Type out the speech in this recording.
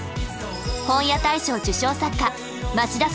本屋大賞受賞作家町田